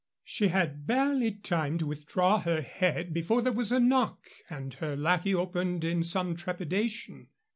She had barely time to withdraw her head before there was a knock and her lackey opened in some trepidation.